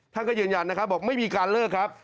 ท่านก็ยืนยันนะครับบอกไม่มีการเลิกครับ